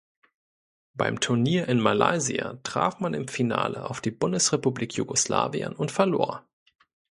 Beim Turnier in Malaysia traf man im Finale auf die Bundesrepublik Jugoslawien und verlor.